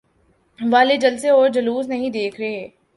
والے جلسے اور جلوس نہیں دیکھ رہے؟